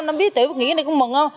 nó biết tụi em nghỉ ở đây cũng mừng lắm